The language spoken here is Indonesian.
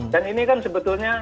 dan ini kan sebetulnya